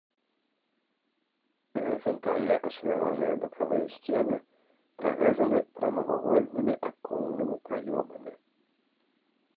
Гарызантальна ашаляваныя бакавыя сцены прарэзаны прамавугольнымі аконнымі праёмамі.